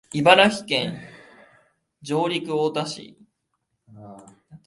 茨城県常陸太田市